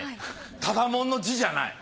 ただもんの字じゃない。